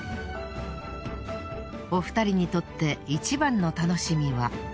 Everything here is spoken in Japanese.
お二人にとっていちばんの楽しみは。